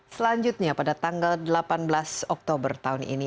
selanjutnya pada tanggal delapan belas oktober tahun ini